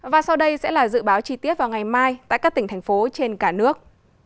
và sau đây sẽ là dự báo chi tiết vào ngày mai tại các tỉnh thành phố trên cả nước